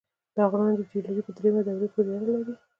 دا غرونه د جیولوژۍ په دریمې دورې پورې اړه لري.